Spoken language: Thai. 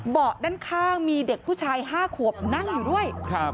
ด้านข้างมีเด็กผู้ชาย๕ขวบนั่งอยู่ด้วย